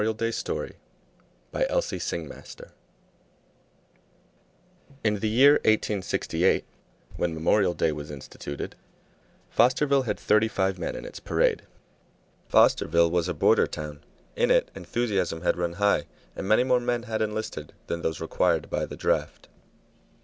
Copyright, 1916, by Elsie Singmaster Lewars In the year 1868, when Memorial Day was instituted, Fosterville had thirty five men in its parade. Fosterville was a border town; in it enthusiasm had run high, and many more men had enlisted than those required by the draft.